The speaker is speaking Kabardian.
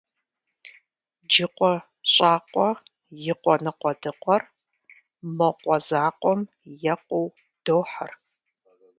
Джыкъуэ щӏакъуэ и къуэ ныкъуэдыкъуэр мо къуэ закъуэм екъуу дохьэр.